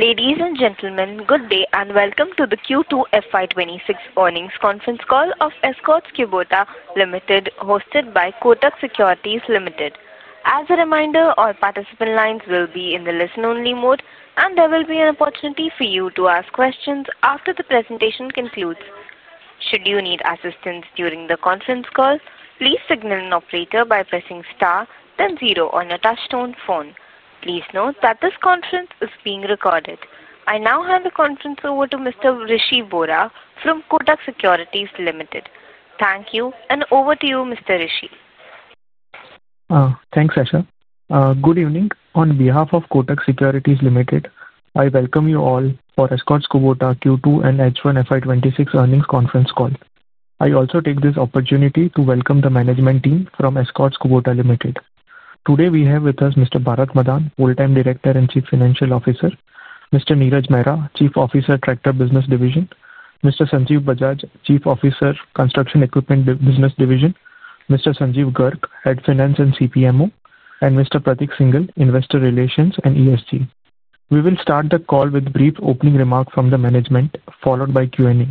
Ladies and gentlemen, good day and welcome to the Q2FY2026 earnings conference call of Escorts Kubota Limited, hosted by Kotak Securities Limited. As a reminder, all participant lines will be in the listen-only mode, and there will be an opportunity for you to ask questions after the presentation concludes. Should you need assistance during the conference call, please signal an operator by pressing star, then zero on your touch-tone phone. Please note that this conference is being recorded. I now hand the conference over to Mr. Richey Bora from Kotak Securities Limited. Thank you, and over to you, Mr. Richey. Thanks, Asha. Good evening. On behalf of Kotak Securities Limited, I welcome you all for Escorts Kubota Q2 and H1FY2026 earnings conference call. I also take this opportunity to welcome the management team from Escorts Kubota Limited. Today, we have with us Mr. Bharat Madan, Whole Time Director and Chief Financial Officer; Mr. Neeraj Mehra, Chief Officer, Tractor Business Division; Mr. Sanjeev Bajaj, Chief Officer, Construction Equipment Business Division; Mr. Sanjeev Garg, Head Finance and CPMO; and Mr. Prateek Singhal, Investor Relations and ESG. We will start the call with brief opening remarks from the management, followed by Q&A.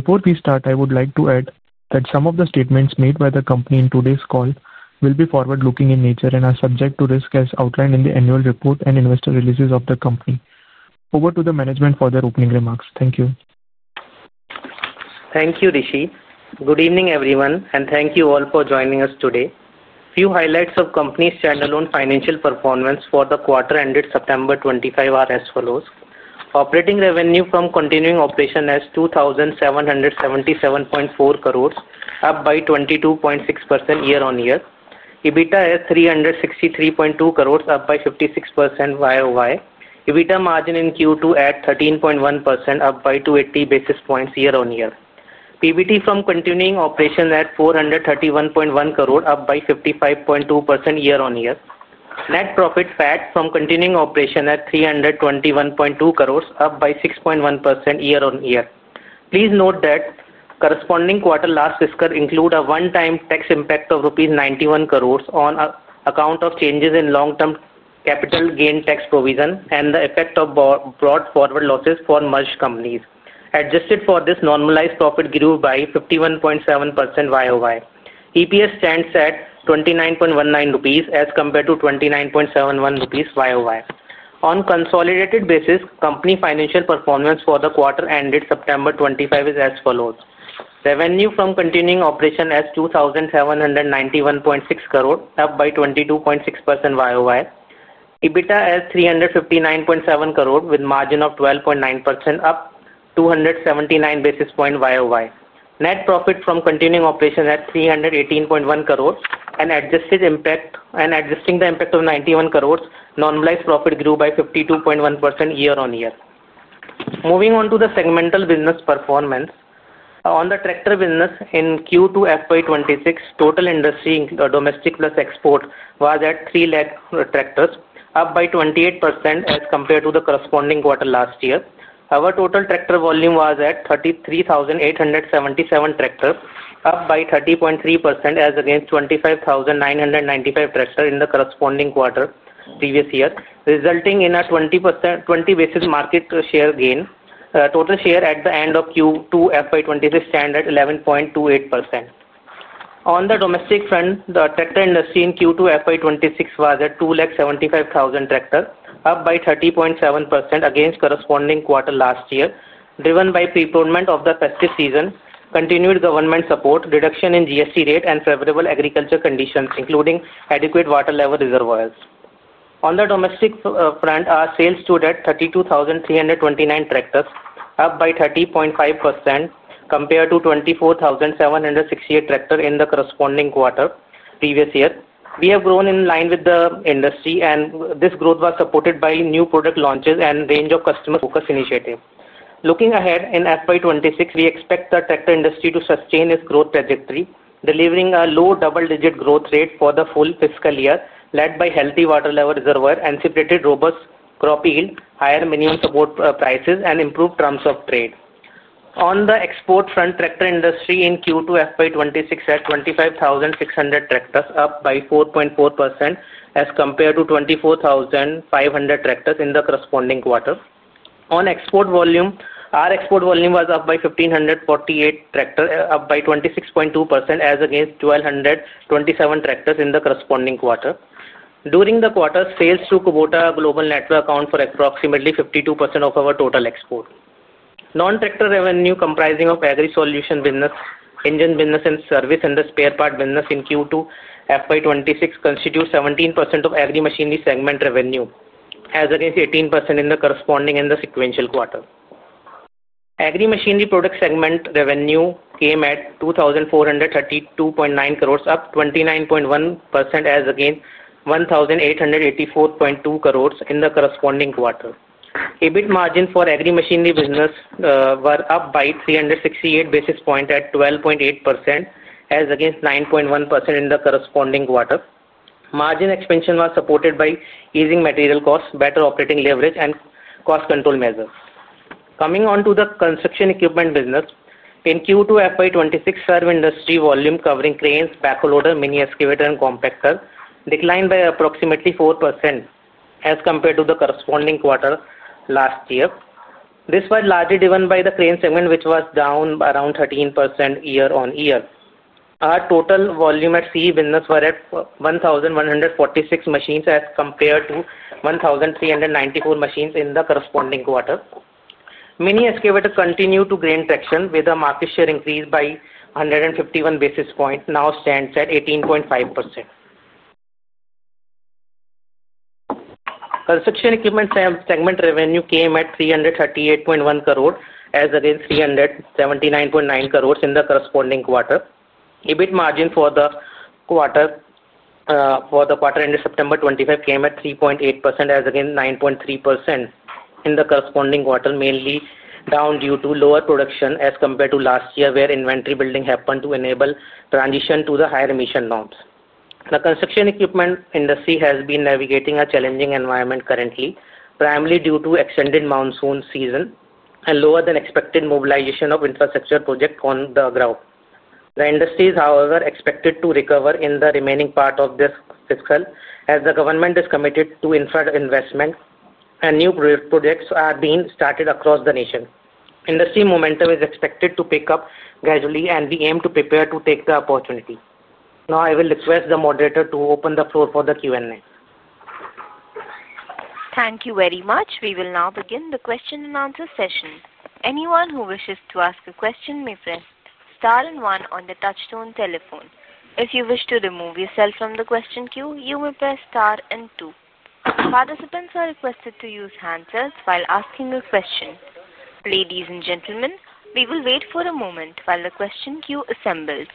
Before we start, I would like to add that some of the statements made by the company in today's call will be forward-looking in nature and are subject to risk as outlined in the annual report and investor releases of the company. Over to the management for their opening remarks. Thank you. Thank you, Richey. Good evening, everyone, and thank you all for joining us today. Few highlights of the company's standalone financial performance for the quarter ended September 2025 are as follows. Operating revenue from continuing operation is INR 2,777.4 crore, up by 22.6% year-on-year. EBITDA is INR 363.2 crore, up by 56% year-on-year. EBITDA margin in Q2 is 13.1%, up by 280 basis points year-on-year. PBT from continuing operation is 431.1 crore, up by 55.2% year-on-year. Net profit PAT from continuing operation is 321.2 crore, up by 6.1% year-on-year. Please note that corresponding quarter last fiscal included a one-time tax impact of rupees 91 crore on account of changes in long-term capital gain tax provision and the effect of brought forward losses for merged companies. Adjusted for this, normalized profit grew by 51.7% year-on-year. EPS stands at 29.19 rupees as compared to 29.71 rupees year-on-year. On a consolidated basis, the company's financial performance for the quarter ended September 2025 is as follows. Revenue from continuing operation is 2,791.6 crore, up by 22.6% year-on-year. EBITDA is 359.7 crore, with a margin of 12.9%, up by 279 basis points year-on-year. Net profit from continuing operation is 318.1 crore, and adjusting the impact of 91 crore, normalized profit grew by 52.1% year-on-year. Moving on to the segmental business performance, on the tractor business in Q2FY2026, total industry domestic plus export was at 300,000 tractors, up by 28% as compared to the corresponding quarter last year. Our total tractor volume was at 33,877 tractors, up by 30.3% as against 25,995 tractors in the corresponding quarter previous year, resulting in a 20% basis market share gain. Total share at the end of Q2FY2026 stands at 11.28%. On the domestic front, the tractor industry in Q2FY2026 was at 275,000 tractors, up by 30.7% against the corresponding quarter last year, driven by the preparedness of the festive season, continued government support, deduction in GST rate, and favorable agriculture conditions, including adequate water level reservoirs. On the domestic front, our sales stood at 32,329 tractors, up by 30.5% compared to 24,768 tractors in the corresponding quarter previous year. We have grown in line with the industry, and this growth was supported by new product launches and a range of customer focus initiatives. Looking ahead in FY2026, we expect the tractor industry to sustain its growth trajectory, delivering a low double-digit growth rate for the full fiscal year, led by healthy water level reservoir and separated robust crop yield, higher minimum support prices, and improved terms of trade. On the export front, the tractor industry in Q2FY2026 had 25,600 tractors, up by 4.4% as compared to 24,500 tractors in the corresponding quarter. On export volume, our export volume was up by 1,548 tractors, up by 26.2% as against 1,227 tractors in the corresponding quarter. During the quarter, sales through Kubota Global Network account for approximately 52% of our total export. Non-tractor revenue comprising of agri-solution business, engine business, and service, and the spare part business in Q2FY2026 constitutes 17% of agri-machinery segment revenue, as against 18% in the corresponding and the sequential quarter. Agri-machinery product segment revenue came at 2,432.9 crore, up 29.1% as against 1,884.2 crore in the corresponding quarter. EBITDA margin for agri-machinery business was up by 368 basis points at 12.8% as against 9.1% in the corresponding quarter. Margin expansion was supported by easing material costs, better operating leverage, and cost control measures. Coming on to the construction equipment business, in Q2FY2026, the served industry volume covering cranes, backhoe loader, mini-excavator, and compactor declined by approximately 4% as compared to the corresponding quarter last year. This was largely driven by the crane segment, which was down around 13% year-on-year. Our total volume at CE business was at 1,146 machines as compared to 1,394 machines in the corresponding quarter. Mini-excavator continued to gain traction with a market share increase by 151 basis points, now stands at 18.5%. Construction equipment segment revenue came at 338.1 crore as against 379.9 crore in the corresponding quarter. EBITDA margin for the quarter ended September 25 came at 3.8% as against 9.3% in the corresponding quarter, mainly down due to lower production as compared to last year, where inventory building happened to enable transition to the higher emission norms. The construction equipment industry has been navigating a challenging environment currently, primarily due to the extended monsoon season and lower-than-expected mobilization of infrastructure projects on the ground. The industry is, however, expected to recover in the remaining part of this fiscal year as the government is committed to infra investment, and new projects are being started across the nation. Industry momentum is expected to pick up gradually, and we aim to prepare to take the opportunity. Now, I will request the moderator to open the floor for the Q&A. Thank you very much. We will now begin the question-and-answer session. Anyone who wishes to ask a question may press star and one on the touch-tone telephone. If you wish to remove yourself from the question queue, you may press star and two. Participants are requested to use handsets while asking a question. Ladies and gentlemen, we will wait for a moment while the question queue assembles.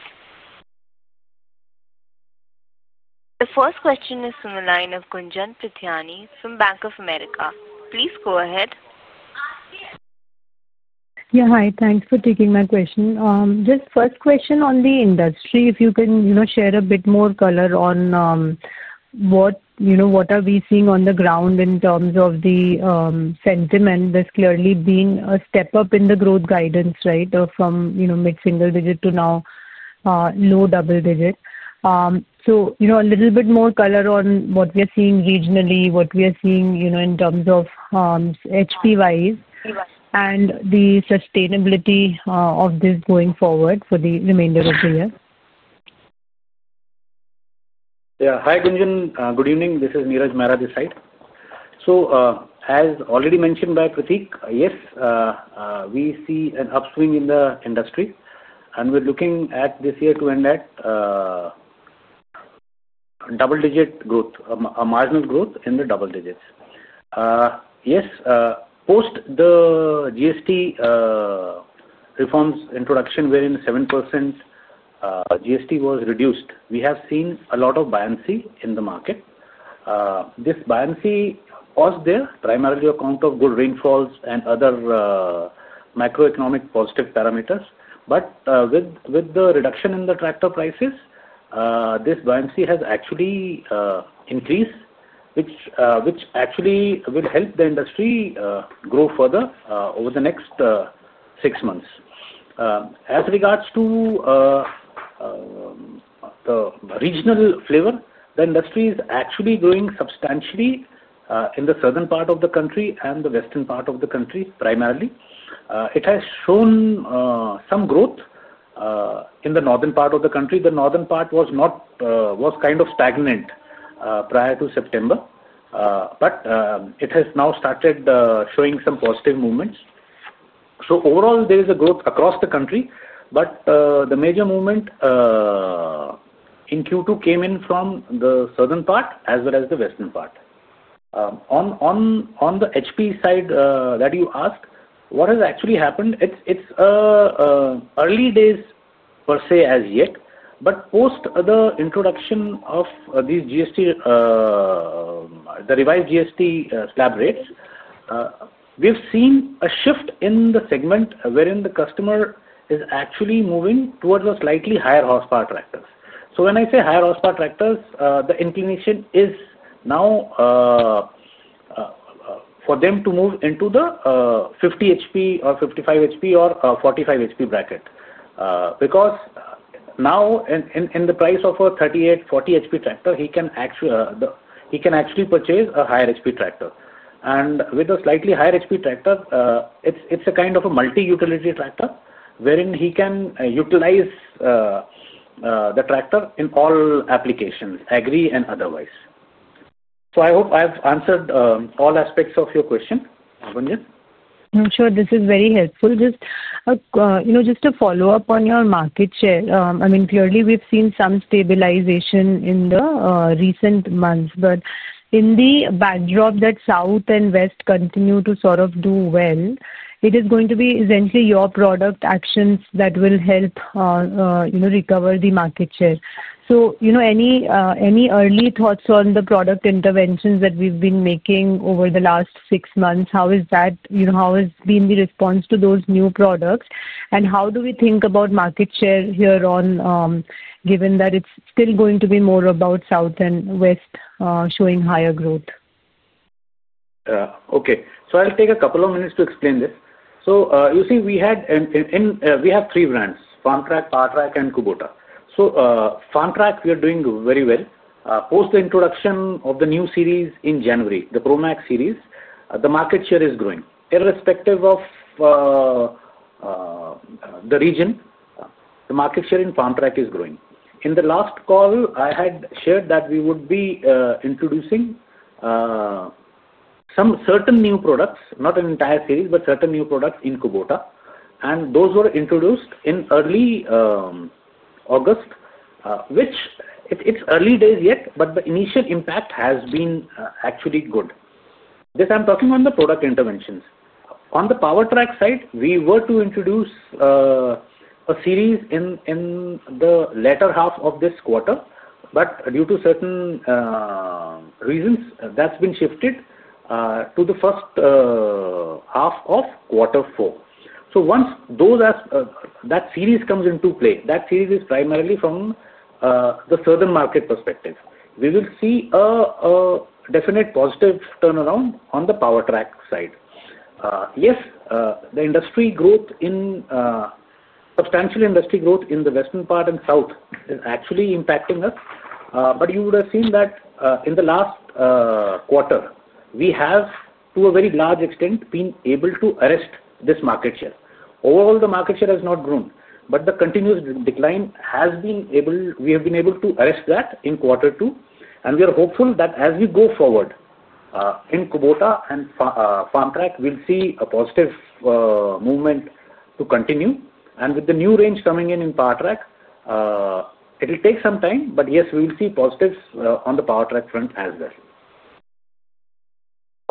The first question is from the line of Gunjan Prithyani from Bank of America. Please go ahead. Yeah, hi. Thanks for taking my question. Just first question on the industry, if you can share a bit more color on what are we seeing on the ground in terms of the sentiment. There's clearly been a step up in the growth guidance, right, from mid-single digit to now low double digit. So a little bit more color on what we are seeing regionally, what we are seeing in terms of HPYs, and the sustainability of this going forward for the remainder of the year. Yeah. Hi, Gunjan. Good evening. This is Neeraj Mehra at this side. So, as already mentioned by Prateek, yes. We see an upswing in the industry, and we're looking at this year to end at double-digit growth, a marginal growth in the double digits. Yes, post the GST reforms introduction, wherein 7% GST was reduced, we have seen a lot of buoyancy in the market. This buoyancy was there primarily on account of good rainfalls and other macroeconomic positive parameters. With the reduction in the tractor prices, this buoyancy has actually increased, which actually will help the industry grow further over the next six months. As regards to the regional flavor, the industry is actually growing substantially in the southern part of the country and the western part of the country primarily. It has shown some growth in the northern part of the country. The northern part was kind of stagnant prior to September, but it has now started showing some positive movements. Overall, there is a growth across the country, but the major movement in Q2 came in from the southern part as well as the western part. On the HP side that you asked, what has actually happened? It's early days, per se, as yet, but post the introduction of these revised GST slab rates, we've seen a shift in the segment, wherein the customer is actually moving towards a slightly higher horsepower tractors. When I say higher horsepower tractors, the inclination is now for them to move into the 50 HP or 55 HP or 45 HP bracket. Because now, in the price of a 38, 40 HP tractor, he can actually purchase a higher HP tractor. With a slightly higher HP tractor, it's a kind of a multi-utility tractor, wherein he can utilize the tractor in all applications, agri and otherwise. I hope I've answered all aspects of your question, Gunjan. Sure. This is very helpful. Just a follow-up on your market share. I mean, clearly, we've seen some stabilization in the recent months, but in the backdrop that South and West continue to sort of do well, it is going to be essentially your product actions that will help recover the market share. So any early thoughts on the product interventions that we've been making over the last six months, how has been the response to those new products, and how do we think about market share here on, given that it's still going to be more about South and West showing higher growth? Okay. I'll take a couple of minutes to explain this. You see, we have three brands: Farmtrac, Powertrac, and Kubota. Farmtrac, we are doing very well. Post the introduction of the new series in January, the Pro Max series, the market share is growing. Irrespective of the region, the market share in Farmtrac is growing. In the last call, I had shared that we would be introducing certain new products, not an entire series, but certain new products in Kubota, and those were introduced in early August. It's early days yet, but the initial impact has been actually good. This I'm talking on the product interventions. On the Powertrac side, we were to introduce a series in the latter half of this quarter, but due to certain reasons, that's been shifted to the first half of quarter four. Once that series comes into play, that series is primarily from the southern market perspective. We will see a definite positive turnaround on the Powertrac side. Yes, the industry growth in substantial industry growth in the western part and south is actually impacting us, but you would have seen that in the last quarter, we have, to a very large extent, been able to arrest this market share. Overall, the market share has not grown, but the continuous decline has been able—we have been able to arrest that in quarter two, and we are hopeful that as we go forward in Kubota and Farmtrac, we'll see a positive movement to continue. With the new range coming in in Powertrac, it'll take some time, but yes, we will see positives on the Powertrac front as well.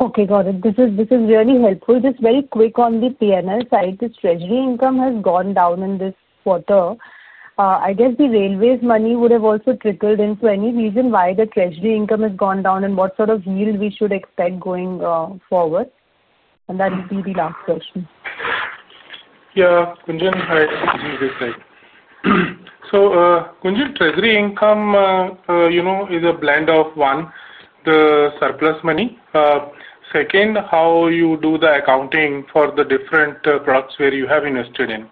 Okay, got it. This is really helpful. Just very quick on the P&L side, the treasury income has gone down in this quarter. I guess the railways money would have also trickled into any reason why the treasury income has gone down and what sort of yield we should expect going forward? That would be the last question. Yeah, Gunjan, hi. Gunjan, treasury income is a blend of one, the surplus money. Second, how you do the accounting for the different products where you have invested in.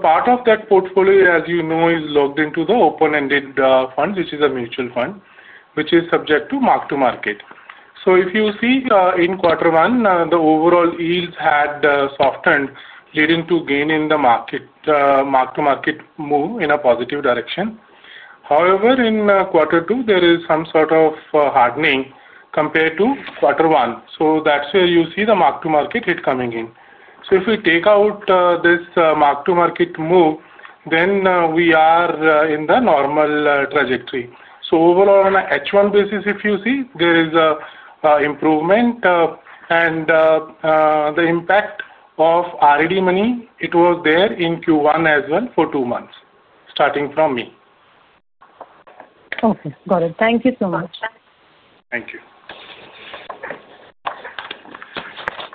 Part of that portfolio, as you know, is logged into the open-ended fund, which is a mutual fund, which is subject to mark-to-market. If you see in quarter one, the overall yields had softened, leading to gain in the market. Mark-to-market move in a positive direction. However, in quarter two, there is some sort of hardening compared to quarter one. That is where you see the mark-to-market hit coming in. If we take out this mark-to-market move, then we are in the normal trajectory. Overall, on an H1 basis, if you see, there is an improvement. The impact of R&D money, it was there in Q1 as well for two months, starting from May. Okay. Got it. Thank you so much. Thank you.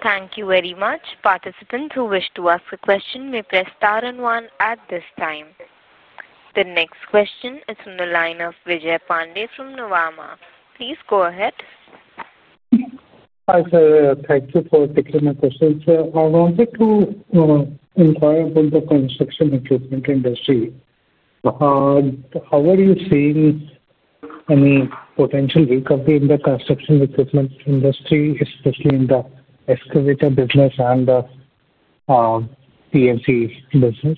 Thank you very much. Participants who wish to ask a question may press star and one at this time. The next question is from the line of Vijay Pandey from Nuvama. Please go ahead. Hi, sir. Thank you for taking my questions, sir. I wanted to inquire about the construction equipment industry. How are you seeing any potential recovery in the construction equipment industry, especially in the excavator business and the P&C business?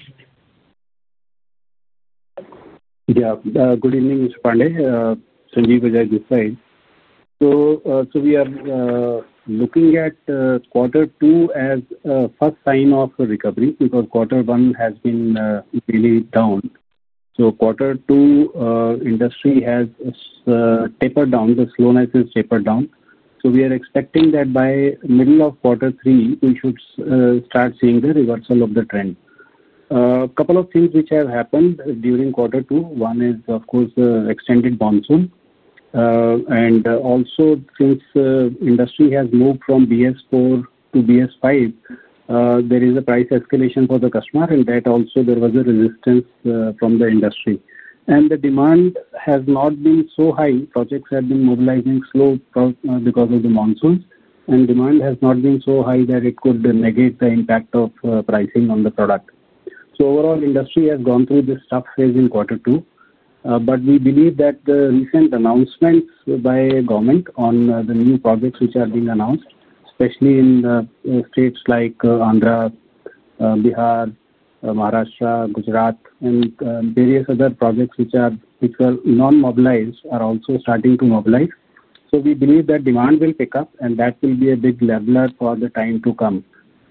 Yeah. Good evening, Mr. Pandey. Sanjeev, as I just said. We are looking at quarter two as a first sign of recovery because quarter one has been really down. Quarter two, industry has tapered down, the slowness has tapered down. We are expecting that by the middle of quarter three, we should start seeing the reversal of the trend. A couple of things which have happened during quarter two. One is, of course, the extended monsoon. Also, since industry has moved from BS4 to BS5, there is a price escalation for the customer, and that also, there was a resistance from the industry. The demand has not been so high. Projects have been mobilizing slow because of the monsoons, and demand has not been so high that it could negate the impact of pricing on the product. Overall, industry has gone through this tough phase in quarter two. We believe that the recent announcements by government on the new projects which are being announced, especially in states like Andhra Pradesh, Bihar, Maharashtra, Gujarat, and various other projects which are non-mobilized are also starting to mobilize. We believe that demand will pick up, and that will be a big leveler for the time to come,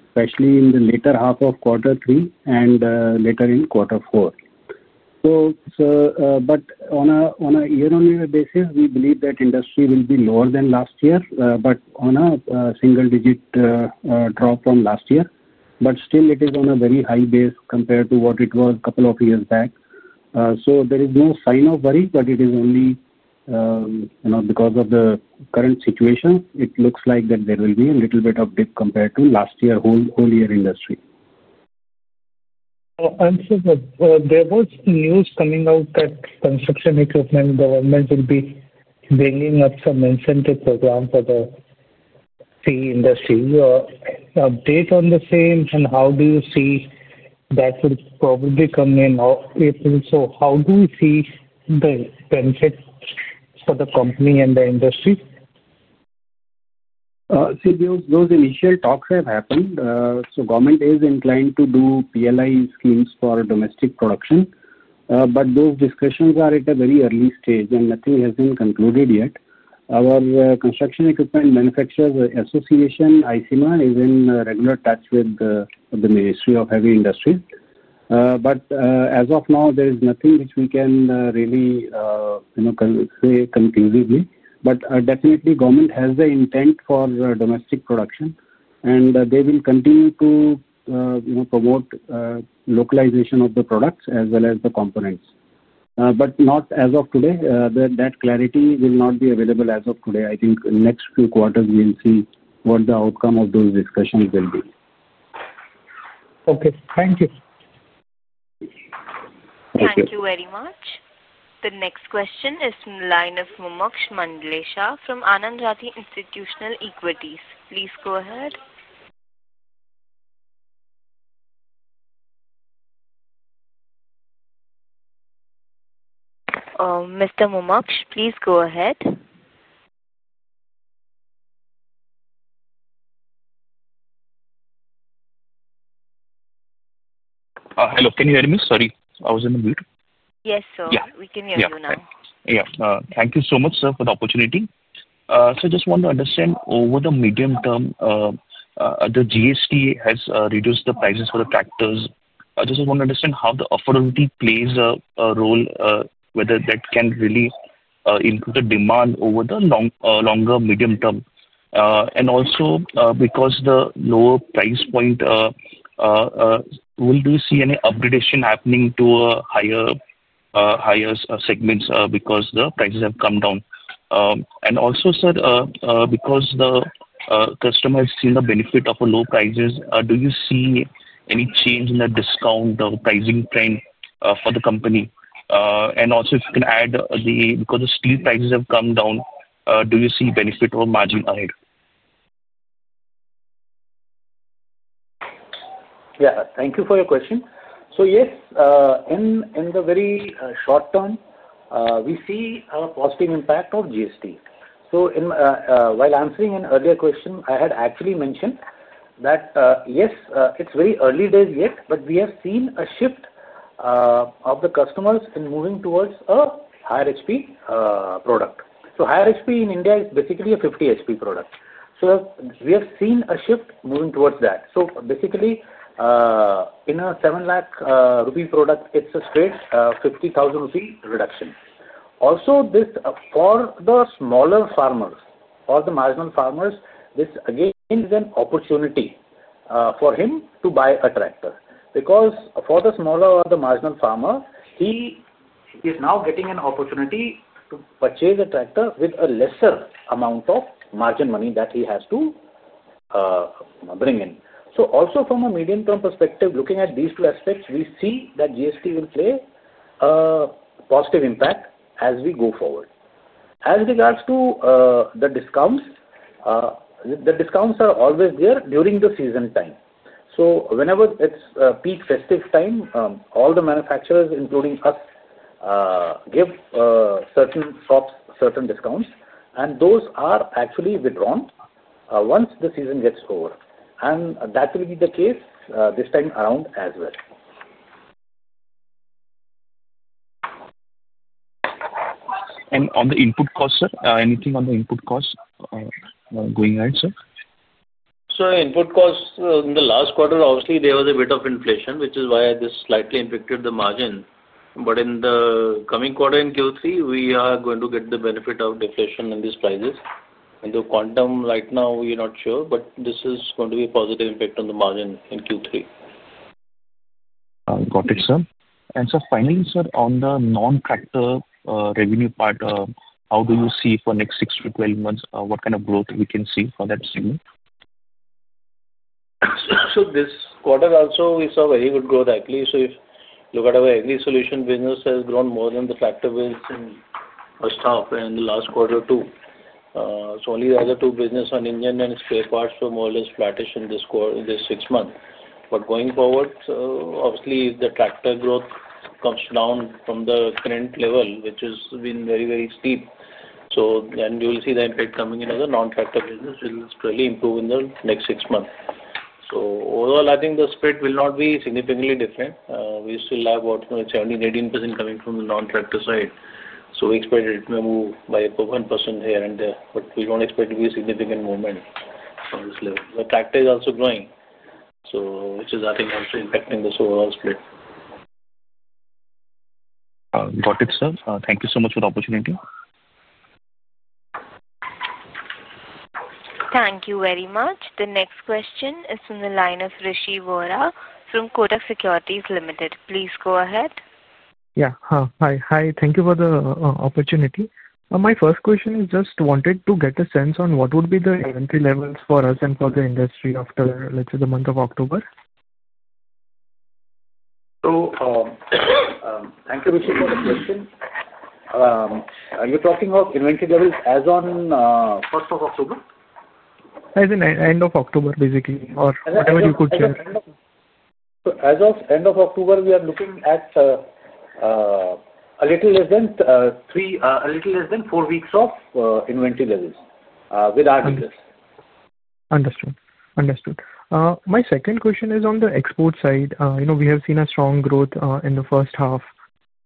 especially in the later half of quarter three and later in quarter four. On a year-on-year basis, we believe that industry will be lower than last year, but on a single-digit drop from last year. Still, it is on a very high base compared to what it was a couple of years back. There is no sign of worry, but it is only because of the current situation, it looks like there will be a little bit of dip compared to last year's whole-year industry. I'm sure that there was news coming out that construction equipment government will be bringing up some incentive program for the tea industry. Update on the same, and how do you see that would probably come in April? How do we see the benefit for the company and the industry? See, those initial talks have happened. Government is inclined to do PLI schemes for domestic production. Those discussions are at a very early stage, and nothing has been concluded yet. Our construction equipment manufacturers association, ICMA, is in regular touch with the Ministry of Heavy Industries. As of now, there is nothing which we can really say conclusively. Definitely, government has the intent for domestic production, and they will continue to promote localization of the products as well as the components. Not as of today. That clarity will not be available as of today. I think next few quarters, we'll see what the outcome of those discussions will be. Okay. Thank you. Thank you very much. The next question is from the line of Mumuksh Mandlesha from Anand Rathi Institutional Equities. Please go ahead. Mr. Mumuksh, please go ahead. Hello. Can you hear me? Sorry. I was on mute. Yes, sir. We can hear you now. Yeah. Thank you so much, sir, for the opportunity. I just want to understand, over the medium term, the GST has reduced the prices for the tractors. I just want to understand how the affordability plays a role, whether that can really improve the demand over the longer medium term. Also, because of the lower price point, will we see any upgradation happening to higher segments because the prices have come down? Also, sir, because the customer has seen the benefit of low prices, do you see any change in the discount or pricing trend for the company? Also, if you can add, because the steel prices have come down, do you see benefit or margin ahead? Yeah. Thank you for your question. Yes, in the very short term, we see a positive impact of GST. While answering an earlier question, I had actually mentioned that yes, it's very early days yet, but we have seen a shift of the customers in moving towards a higher HP product. Higher HP in India is basically a 50 HP product. We have seen a shift moving towards that. Basically, in an 700,000 rupee product, it's a straight 50,000 rupee reduction. Also, for the smaller farmers or the marginal farmers, this again is an opportunity for him to buy a tractor. Because for the smaller or the marginal farmer, he is now getting an opportunity to purchase a tractor with a lesser amount of margin money that he has to bring in. Also, from a medium-term perspective, looking at these two aspects, we see that GST will play a positive impact as we go forward. As regards to the discounts, the discounts are always there during the season time. Whenever it's peak festive time, all the manufacturers, including us, give certain shops certain discounts, and those are actually withdrawn once the season gets over. That will be the case this time around as well. On the input cost, sir, anything on the input cost going ahead, sir? Input cost, in the last quarter, obviously, there was a bit of inflation, which is why this slightly impacted the margin. In the coming quarter, in Q3, we are going to get the benefit of deflation in these prices. The quantum right now, we are not sure, but this is going to be a positive impact on the margin in Q3. Got it, sir. Finally, sir, on the non-tractor revenue part, how do you see for the next 6 months-12 months what kind of growth we can see for that segment? This quarter also is a very good growth, actually. If you look at our agri solution business, it has grown more than the tractor business in the last quarter too. Only the other two businesses, Indian and spare parts, were more or less flattish in this six months. Going forward, obviously, if the tractor growth comes down from the current level, which has been very, very steep, then you will see the impact coming in. The non-tractor business will surely improve in the next six months. Overall, I think the spread will not be significantly different. We still have about 17%-18% coming from the non-tractor side. We expect it to move by 1% here and there, but we do not expect it to be a significant movement on this level. The tractor is also growing, which is, I think, also impacting this overall spread. Got it, sir. Thank you so much for the opportunity. Thank you very much. The next question is from the line of Rishi Vora from Kotak Securities Limited. Please go ahead. Yeah. Hi. Hi. Thank you for the opportunity. My first question is just wanted to get a sense on what would be the inventory levels for us and for the industry after, let's say, the month of October. Thank you, Rishi, for the question. Are you talking of inventory levels as on 1st of October? As in end of October, basically, or whatever you could share. As of end of October, we are looking at a little less than three, a little less than four weeks of inventory levels with our business. Understood. Understood. My second question is on the export side. We have seen a strong growth in the first half.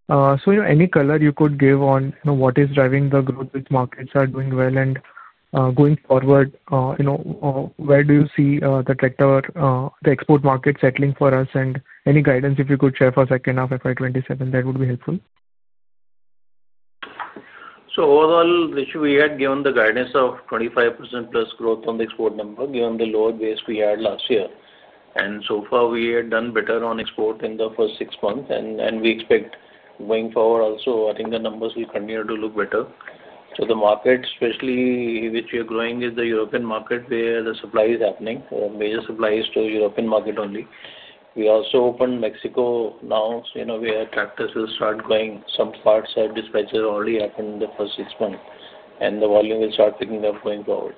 Any color you could give on what is driving the growth, which markets are doing well, and going forward, where do you see the tractor, the export market settling for us, and any guidance if you could share for second half FY2027? That would be helpful. Overall, Rishi, we had given the guidance of 25%+ growth on the export number, given the lower base we had last year. So far, we had done better on export in the first six months. We expect going forward also, I think the numbers will continue to look better. The market, especially which we are growing, is the European market where the supply is happening. Major supply is to the European market only. We also opened Mexico now. We have tractors that will start going. Some parts have dispatched already happened in the first six months. The volume will start picking up going forward.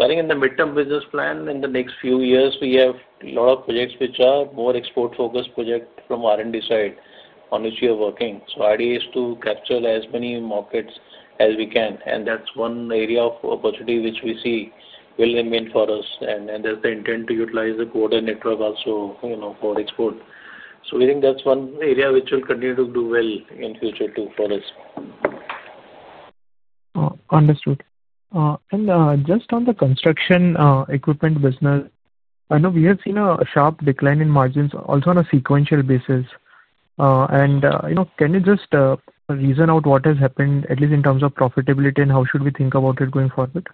I think in the midterm business plan, in the next few years, we have a lot of projects which are more export-focused projects from R&D side on which we are working. Our idea is to capture as many markets as we can. That is one area of opportunity which we see will remain for us. That is the intent to utilize the quarter network also for export. We think that is one area which will continue to do well in the future too for us. Understood. Just on the construction equipment business, I know we have seen a sharp decline in margins also on a sequential basis. Can you just reason out what has happened, at least in terms of profitability, and how should we think about it going forward?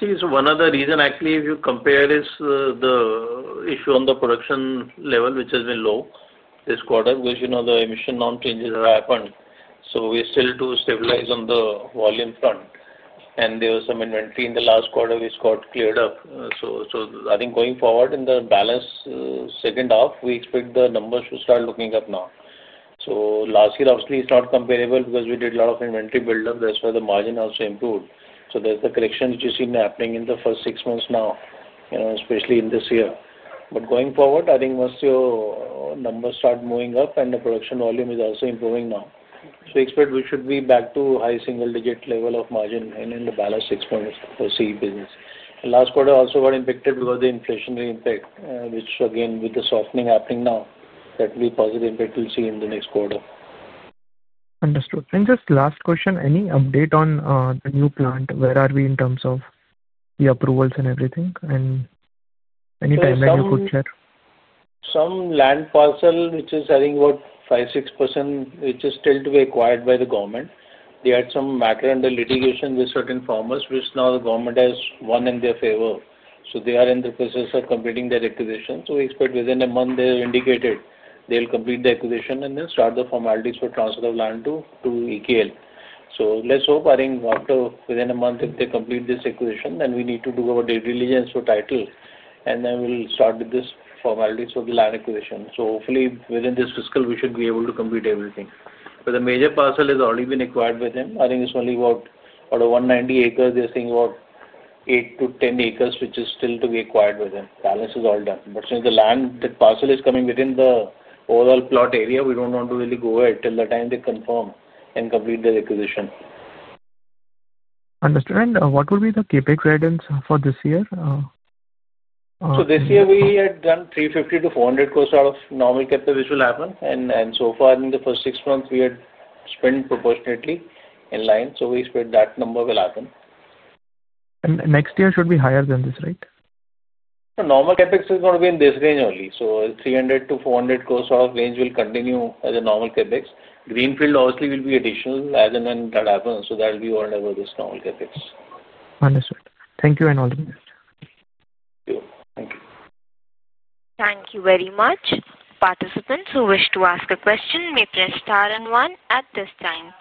See, so one of the reasons, actually, if you compare, is the issue on the production level, which has been low this quarter, because the emission norm changes have happened. We still do stabilize on the volume front. There was some inventory in the last quarter which got cleared up. I think going forward in the balance second half, we expect the numbers to start looking up now. Last year, obviously, it's not comparable because we did a lot of inventory build-up. That's why the margin also improved. There's the correction which has been happening in the first six months now, especially in this year. Going forward, I think once your numbers start moving up and the production volume is also improving now, we expect we should be back to high single-digit level of margin in the balance six months for seed business. The last quarter also got impacted because of the inflationary impact, which again, with the softening happening now, that will be a positive impact we'll see in the next quarter. Understood. Just last question, any update on the new plant? Where are we in terms of the approvals and everything? Any timeline you could share? Some land parcel, which is, I think, about 5%-6%, which is still to be acquired by the government. They had some macro and the litigation with certain farmers, which now the government has won in their favor. They are in the process of completing their acquisition. We expect within a month, they have indicated they'll complete the acquisition and then start the formalities for transfer of land to EKL. Let's hope, I think, after within a month, if they complete this acquisition, then we need to do our due diligence for title, and then we'll start with this formality for the land acquisition. Hopefully, within this fiscal, we should be able to complete everything. The major parcel has already been acquired with them. I think it's only about 190 acres. They're seeing about 8 acres-10 acres, which is still to be acquired with them. Balance is all done. Since the parcel is coming within the overall plot area, we don't want to really go ahead till the time they confirm and complete the acquisition. Understood. And what will be the CapEx guidance for this year? This year, we had done 350 crore-400 crore out of normal capital, which will happen. So far, in the first six months, we had spent proportionately in line. We expect that number will happen. Next year should be higher than this, right? Normal CapEx is going to be in this range only. 300-400 crore out of range will continue as a normal CapEx. Greenfield, obviously, will be additional as and when that happens. That will be all over this normal CapEx. Understood. Thank you and all the best. Thank you. Thank you. Thank you very much. Participants who wish to ask a question may press star and one at this time.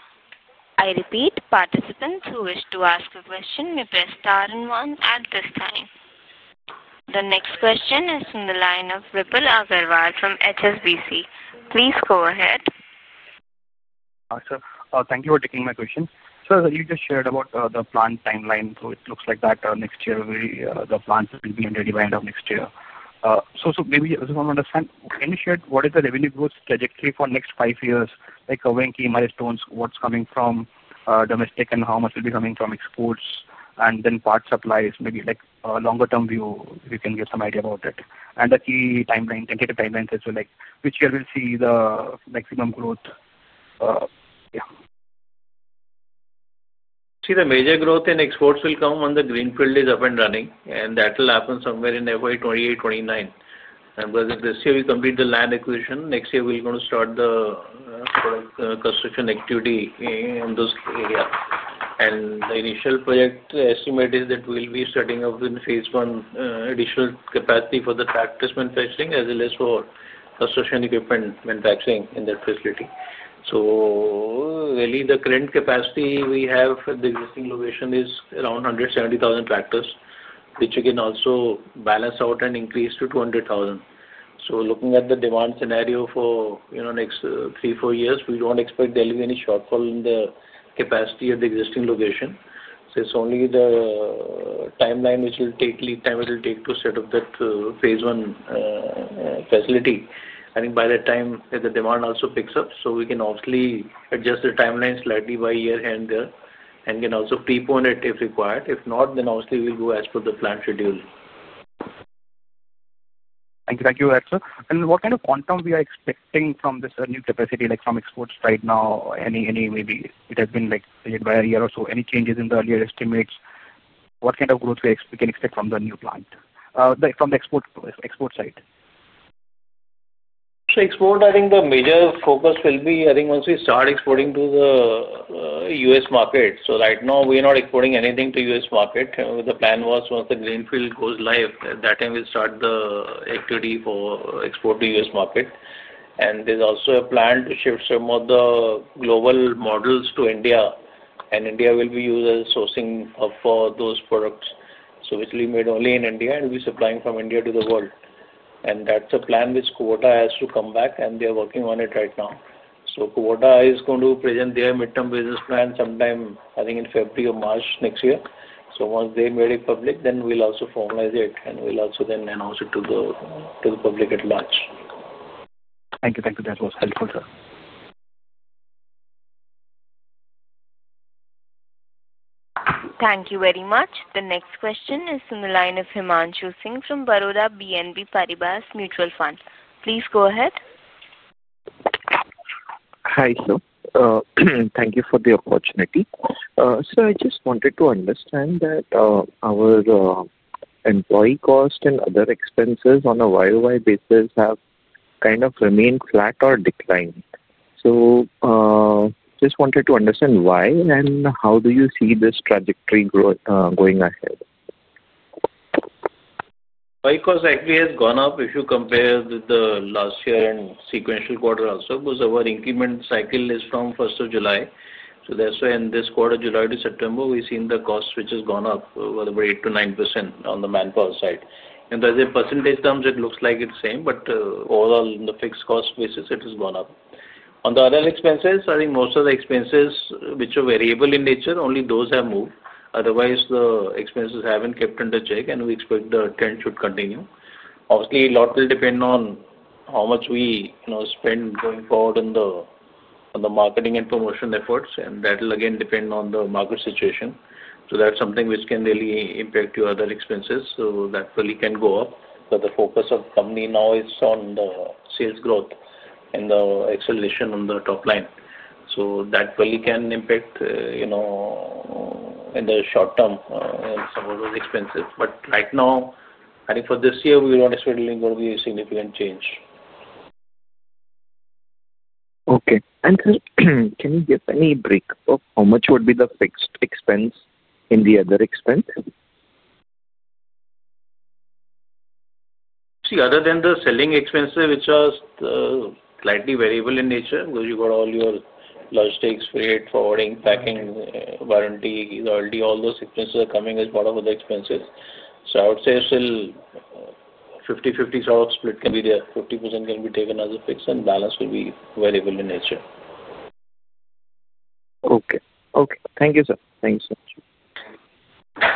I repeat, participants who wish to ask a question may press star and one at this time. The next question is from the line of Vipul Agarwal from HSBC. Please go ahead. Sir, thank you for taking my question. Sir, you just shared about the plan timeline. It looks like that next year, the plans will be ready by the end of next year. Maybe I just want to understand, in a shared, what is the revenue growth trajectory for the next five years? Like covering key milestones, what's coming from domestic, and how much will be coming from exports? Then parts supplies, maybe like a longer-term view, if you can give some idea about it. The key timeline, tentative timeline says which year we'll see the maximum growth. Yeah. See, the major growth in exports will come when the greenfield is up and running. That will happen somewhere in 2028, 2029. Because if this year we complete the land acquisition, next year we're going to start the construction activity in those areas. The initial project estimate is that we'll be starting up in phase I additional capacity for the tractors manufacturing as well as for construction equipment manufacturing in that facility. Really, the current capacity we have at the existing location is around 170,000 tractors, which again also balance out and increase to 200,000. Looking at the demand scenario for the next three, four years, we don't expect there'll be any shortfall in the capacity at the existing location. It's only the timeline which will take lead time it will take to set up that phase I facility. I think by that time, the demand also picks up. We can obviously adjust the timeline slightly by year here and there and can also prepone it if required. If not, then obviously we'll go as per the planned schedule. Thank you. Thank you, sir. What kind of quantum are we expecting from this new capacity from exports right now? Maybe it has been like by a year or so, any changes in the earlier estimates? What kind of growth can we expect from the new plant from the export side? Export, I think the major focus will be, I think, once we start exporting to the U.S. market. Right now, we are not exporting anything to the U.S. market. The plan was once the greenfield goes live, at that time, we'll start the activity for export to the U.S. market. There's also a plan to shift some of the global models to India, and India will be used as a sourcing for those products. Basically, made only in India and we'll be supplying from India to the world. That's a plan which Kubota has to come back, and they are working on it right now. Kubota is going to present their midterm business plan sometime, I think, in February or March next year. Once they make it public, then we'll also formalize it, and we'll also then announce it to the public at large. Thank you. Thank you. That was helpful, sir. Thank you very much. The next question is from the line of Himanshu Singh from Baroda BNP Paribas Mutual Fund. Please go ahead. Hi, sir. Thank you for the opportunity. Sir, I just wanted to understand that our employee cost and other expenses on a YoY basis have kind of remained flat or declined. Just wanted to understand why and how do you see this trajectory going ahead? Actually, it has gone up if you compare with last year and sequential quarter also, because our increment cycle is from 1 July. That is why in this quarter, July to September, we have seen the cost, which has gone up, whether by 8%-9% on the manpower side. As a percentage, it looks like it is the same, but overall, on the fixed cost basis, it has gone up. On the other expenses, I think most of the expenses which are variable in nature, only those have moved. Otherwise, the expenses have been kept under check, and we expect the trend should continue. Obviously, a lot will depend on how much we spend going forward on the marketing and promotion efforts, and that will again depend on the market situation. That is something which can really impact your other expenses. That really can go up. The focus of the company now is on the sales growth and the acceleration on the top line. That really can impact in the short term on some of those expenses. Right now, I think for this year, we do not necessarily see a significant change. Okay. Sir, can you give any break of how much would be the fixed expense in the other expense? See, other than the selling expenses, which are slightly variable in nature, because you've got all your logistics, freight, forwarding, packing, warranty, loyalty, all those expenses are coming as part of other expenses. I would say it's still a 50-50 sort of split can be there. 50% can be taken as a fixed and balance will be variable in nature. Okay. Okay. Thank you, sir. Thank you so much.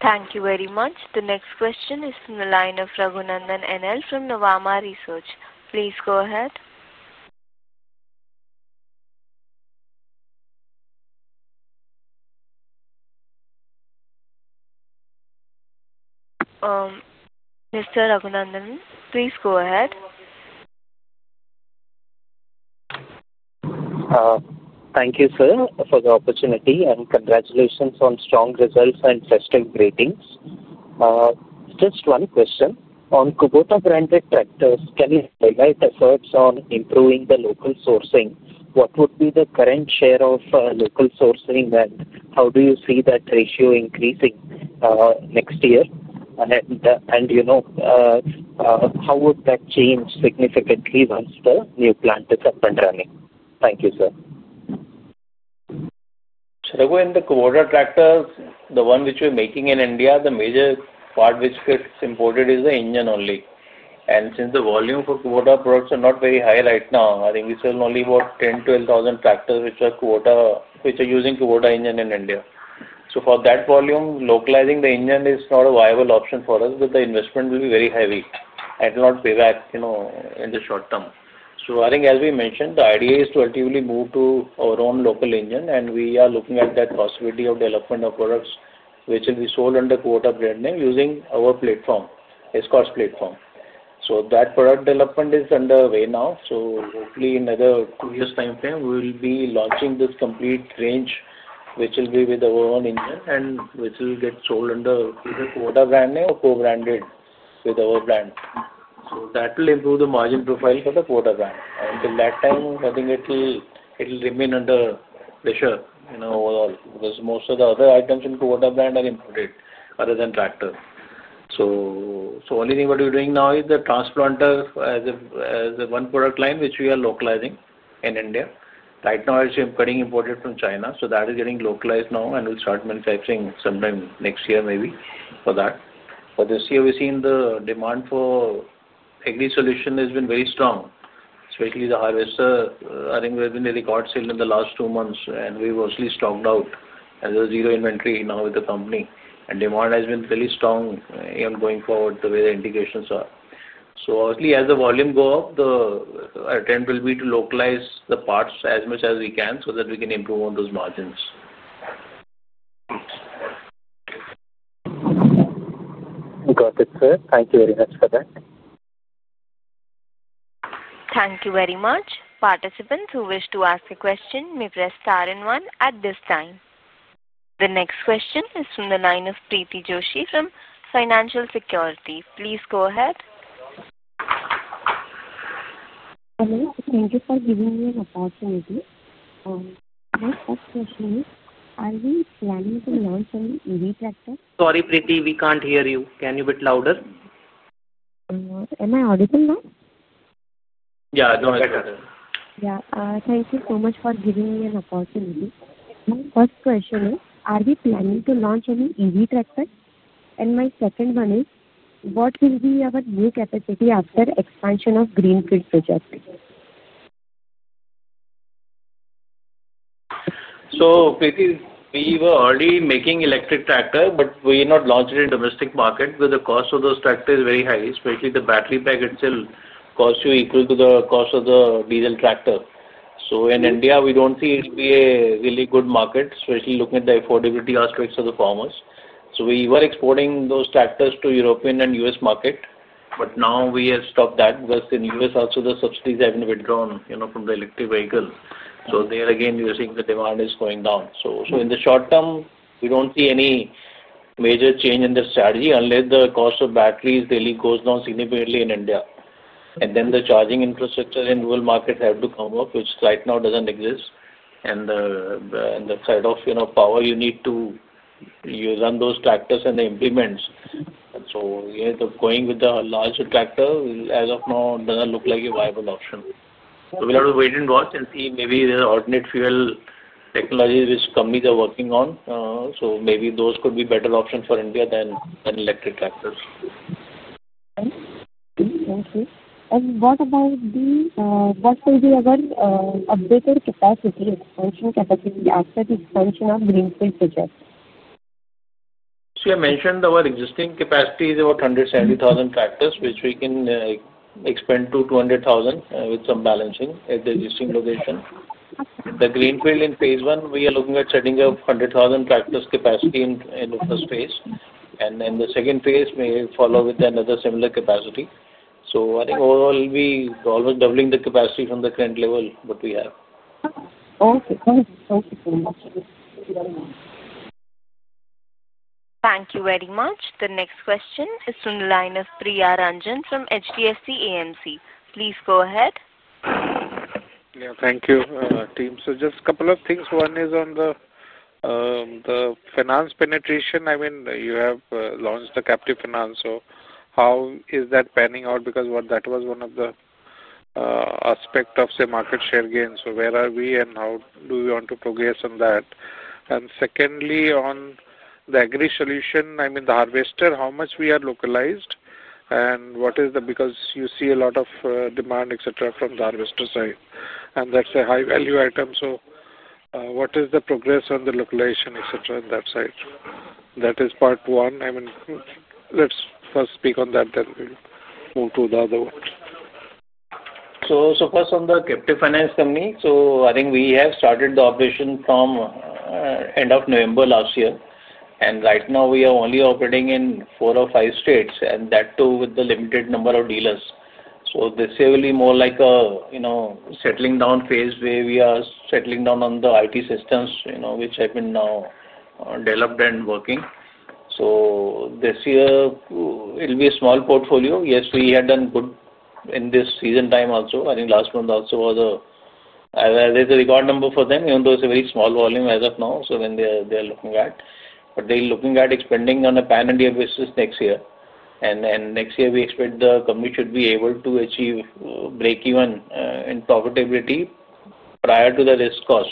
Thank you very much. The next question is from the line of Raghunandan N.L. from Nuvama Research. Please go ahead. Mr. Raghunandan, please go ahead. Thank you, sir, for the opportunity. Congratulations on strong results and festive greetings. Just one question. On Kubota branded tractors, can you highlight efforts on improving the local sourcing? What would be the current share of local sourcing, and how do you see that ratio increasing next year? How would that change significantly once the new plant is up and running? Thank you, sir. Sir, in the Kubota tractors, the one which we're making in India, the major part which gets imported is the engine only. And since the volume for Kubota products are not very high right now, I think we sell only about 10,000 tractors-12,000 tractors which are using Kubota engine in India. For that volume, localizing the engine is not a viable option for us, but the investment will be very heavy and will not pay back in the short term. I think, as we mentioned, the idea is to ultimately move to our own local engine, and we are looking at that possibility of development of products which will be sold under Kubota brand name using our platform, S-Car's platform. That product development is underway now. Hopefully, in another two years' timeframe, we will be launching this complete range which will be with our own engine and which will get sold under either Kubota brand name or co-branded with our brand. That will improve the margin profile for the Kubota brand. Till that time, I think it will remain under pressure overall because most of the other items in Kubota brand are imported other than tractor. The only thing what we're doing now is the transplanter as a one product line which we are localizing in India. Right now, it's getting imported from China. That is getting localized now and will start manufacturing sometime next year maybe for that. This year, we've seen the demand for agri solution has been very strong, especially the harvester. I think we have been a record sale in the last two months, and we've obviously stocked out as a zero inventory now with the company. Demand has been fairly strong going forward the way the integrations are. Obviously, as the volume go up, the attempt will be to localize the parts as much as we can so that we can improve on those margins. Got it, sir. Thank you very much for that. Thank you very much. Participants who wish to ask a question may press star and one at this time. The next question is from the line of Preeti Joshi from Financial Security. Please go ahead. Hello. Thank you for giving me an opportunity. My first question is, are we planning to launch an EV tractor? Sorry, Preeti, we can't hear you. Can you be louder? Am I audible now? Yeah, no issue. Okay. Yeah. Thank you so much for giving me an opportunity. My first question is, are we planning to launch any EV tractor? And my second one is, what will be our new capacity after expansion of greenfield projects? Preeti, we were already making electric tractor, but we have not launched it in the domestic market because the cost of those tractors is very high, especially the battery pack itself costs you equal to the cost of the diesel tractor. In India, we do not see it to be a really good market, especially looking at the affordability aspects of the farmers. We were exporting those tractors to European and U.S. market, but now we have stopped that because in the U.S., also the subsidies have been withdrawn from the electric vehicles. There again, you are seeing the demand is going down. In the short term, we do not see any major change in the strategy unless the cost of batteries really goes down significantly in India. The charging infrastructure in rural markets has to come up, which right now does not exist. The side of power, you need to run those tractors and the implements. Going with the larger tractor, as of now, does not look like a viable option. We will have to wait and watch and see. Maybe there are alternate fuel technologies which companies are working on. Maybe those could be better options for India than electric tractors. Thank you. What will be our updated capacity, expansion capacity after the expansion of greenfield projects? You mentioned our existing capacity is about 170,000 tractors, which we can expand to 200,000 with some balancing at the existing location. The greenfield in phase I, we are looking at setting up 100,000 tractors capacity in the first phase. Then the second phase may follow with another similar capacity. I think overall, we're almost doubling the capacity from the current level what we have. Okay. Thank you so much. Thank you very much. Thank you very much. The next question is from the line of Priya Ranjan from HSBC AMC. Please go ahead. Thank you, team. Just a couple of things. One is on the finance penetration. I mean, you have launched the captive finance. How is that panning out? That was one of the aspects of, say, market share gains. Where are we and how do we want to progress on that? Secondly, on the agri solution, I mean, the harvester, how much are we localized? What is the—because you see a lot of demand, etc., from the harvester side. That is a high-value item. What is the progress on the localization, etc., on that side? That is part one. I mean, let's first speak on that, then we'll move to the other ones. First, on the captive finance company, I think we have started the operation from end of November last year. Right now, we are only operating in four or five states, and that too with a limited number of dealers. This year will be more like a settling down phase where we are settling down on the IT systems, which have been now developed and working. This year, it will be a small portfolio. Yes, we had done good in this season time also. I think last month also was a record number for them, even though it is a very small volume as of now. They are looking at expanding on a pan-India basis next year. Next year, we expect the company should be able to achieve break-even in profitability prior to the risk cost.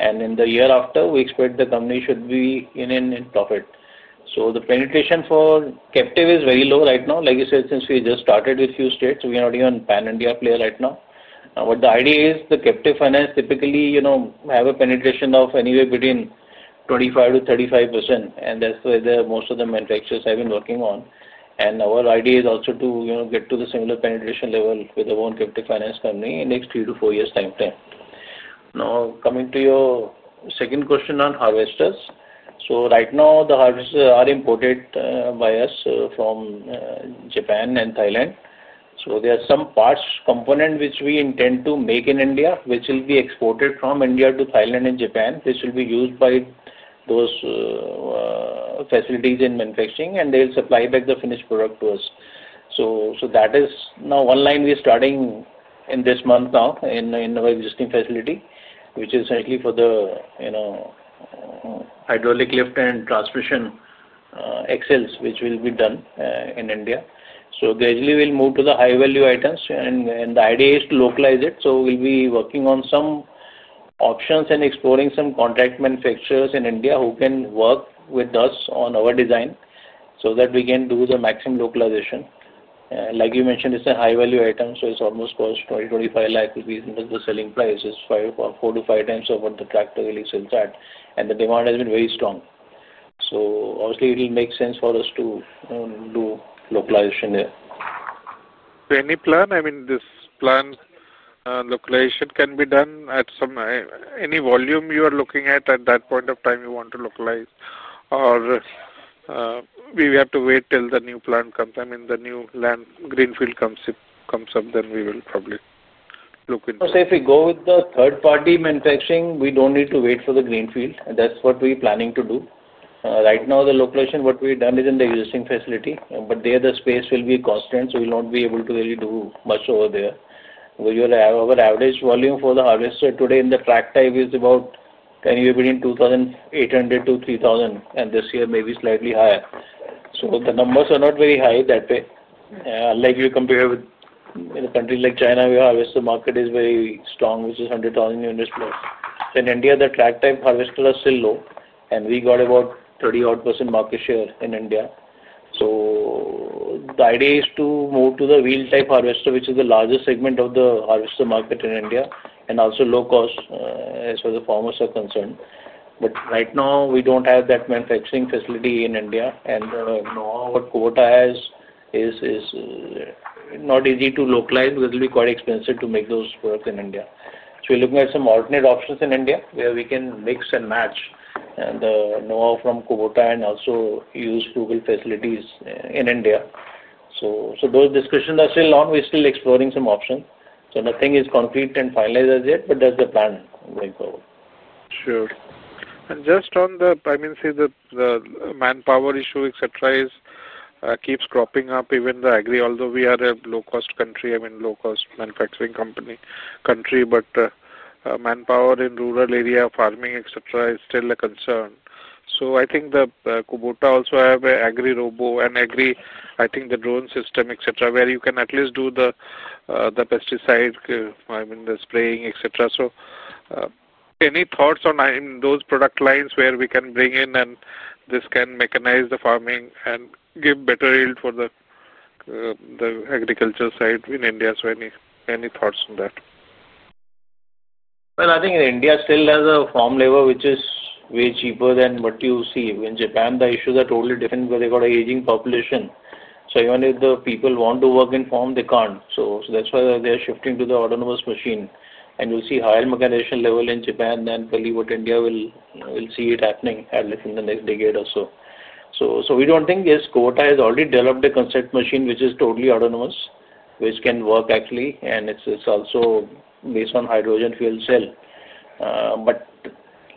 In the year after, we expect the company should be in profit. The penetration for captive is very low right now. Like I said, since we just started a few states, we are not even a pan-India player right now. The idea is the captive finance typically have a penetration of anywhere between 25%-35%. That is where most of the manufacturers have been working on. Our idea is also to get to the similar penetration level with our own captive finance company in the next three to four years' timeframe. Now, coming to your second question on harvesters. Right now, the harvesters are imported by us from Japan and Thailand. There are some parts, components, which we intend to make in India, which will be exported from India to Thailand and Japan, which will be used by those facilities in manufacturing, and they will supply back the finished product to us. That is now one line we are starting in this month now in our existing facility, which is actually for the hydraulic lift and transmission axles, which will be done in India. Gradually, we will move to the high-value items. The idea is to localize it. We will be working on some options and exploring some contract manufacturers in India who can work with us on our design so that we can do the maximum localization. Like you mentioned, it is a high-value item. It almost costs 20,000-25,000 rupees, and that is the selling price. It is 4x-5x over the tractor really sells at. The demand has been very strong. Obviously, it will make sense for us to do localization there. Any plan? I mean, this plan. Localization can be done at some, any volume you are looking at at that point of time you want to localize? Or we have to wait till the new plan comes? I mean, the new land greenfield comes up, then we will probably look into it. If we go with the third-party manufacturing, we do not need to wait for the greenfield. That is what we are planning to do. Right now, the localization, what we have done is in the existing facility. There, the space will be constant, so we will not be able to really do much over there. Our average volume for the harvester today in the tract type is about anywhere between 2,800-3,000, and this year maybe slightly higher. The numbers are not very high that way. Unlike if you compare with countries like China, where the harvester market is very strong, which is 100,000 units plus. In India, the tract type harvesters are still low. We have about 30%-odd market share in India. The idea is to move to the wheel type harvester, which is the largest segment of the harvester market in India, and also low cost as far as the farmers are concerned. Right now, we do not have that manufacturing facility in India. What Kubota has is not easy to localize because it will be quite expensive to make those products in India. We are looking at some alternate options in India where we can mix and match the know-how from Kubota and also use local facilities in India. Those discussions are still on. We are still exploring some options. Nothing is concrete and finalized as yet, but that is the plan going forward. Sure. And just on the, I mean, say the manpower issue, etc., keeps cropping up even the agri, although we are a low-cost country, I mean, low-cost manufacturing country, but manpower in rural area, farming, etc., is still a concern. I think the Kubota also have an agri robot and agri, I think the drone system, etc., where you can at least do the pesticide, I mean, the spraying, etc. Any thoughts on those product lines where we can bring in and this can mechanize the farming and give better yield for the agriculture side in India? Any thoughts on that? I think in India, still there's a farm labor which is way cheaper than what you see. In Japan, the issues are totally different, but they've got an aging population. Even if the people want to work in farms, they can't. That's why they're shifting to the autonomous machine. You'll see higher mechanization level in Japan than probably what India will see happening at least in the next decade or so. We don't think yes. Kubota has already developed a concept machine which is totally autonomous, which can work actually. It's also based on hydrogen fuel cell.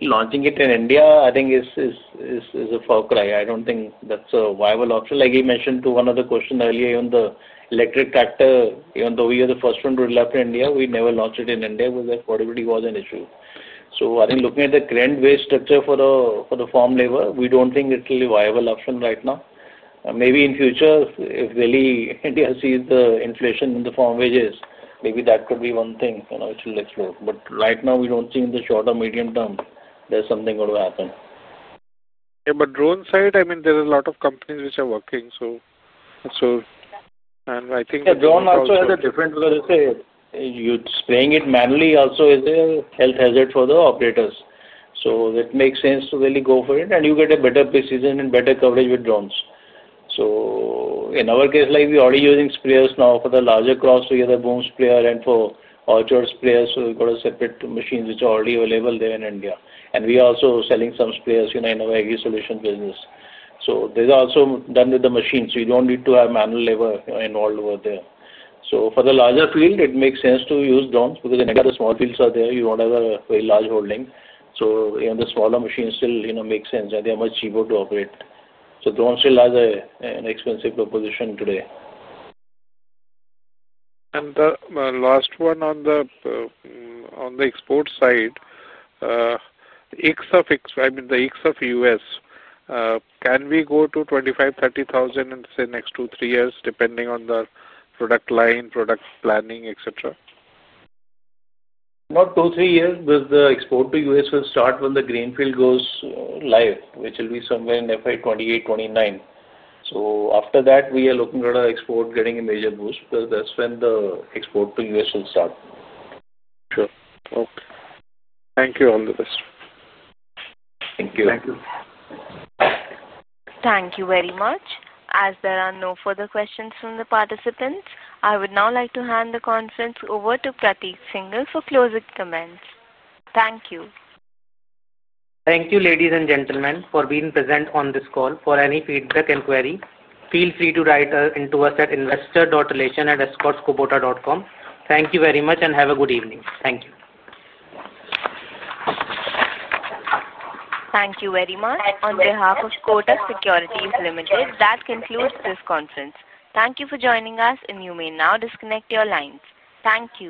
Launching it in India, I think, is a far cry. I don't think that's a viable option. Like you mentioned to one of the questions earlier, even the electric tractor, even though we are the first one to develop in India, we never launched it in India because that productivity was an issue. I think looking at the current wage structure for the farm labor, we don't think it's a viable option right now. Maybe in future, if really India sees the inflation in the farm wages, maybe that could be one thing which will explode. Right now, we don't think in the short or medium term, there's something going to happen. Yeah. On the drone side, I mean, there are a lot of companies which are working. I think. Yeah. Drone also has a different because, as I said, you're spraying it manually also is a health hazard for the operators. It makes sense to really go for it. You get better precision and better coverage with drones. In our case, we're already using sprayers now for the larger crops. We have a boom sprayer and for orchard sprayers. We've got a separate machine which is already available there in India. We are also selling some sprayers in our agri solution business. This is also done with the machine, so you don't need to have manual labor involved over there. For the larger field, it makes sense to use drones because in the small fields out there, you don't have a very large holding. Even the smaller machines still make sense, and they're much cheaper to operate. Drones still have an expensive proposition today. The last one on the export side. I mean, the ex of U.S. Can we go to 25,000-30,000 in the next two, three years, depending on the product line, product planning, etc.? About two, three years because the export to U.S. will start when the greenfield goes live, which will be somewhere in FY 2028, 2029. After that, we are looking at our export getting a major boost because that's when the export to U.S. will start. Sure. Okay. Thank you all for this. Thank you. Thank you. Thank you very much. As there are no further questions from the participants, I would now like to hand the conference over to Prateek Singhal for closing comments. Thank you. Thank you, ladies and gentlemen, for being present on this call. For any feedback and query, feel free to write into us at investor.relation@escorts-kubota.com. Thank you very much, and have a good evening. Thank you. Thank you very much. On behalf of Kotak Securities Limited, that concludes this conference. Thank you for joining us, and you may now disconnect your lines. Thank you.